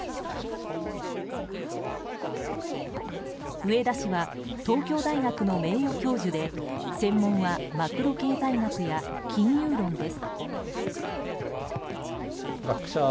植田氏は東京大学の名誉教授で専門はマクロ経済学や金融論です。